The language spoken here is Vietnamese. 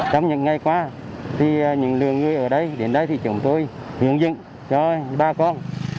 trong những ngày qua những lượng người ở đây đến đây thì chúng tôi hướng dẫn cho bà con